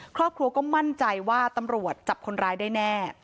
ครอบครัวก็มั่นใจว่าตำรวจจับคนร้ายได้แน่